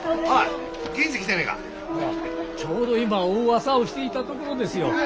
ああちょうど今お噂をしていたところですよ。